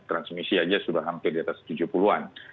transmisi aja sudah hampir diatas tujuh puluh an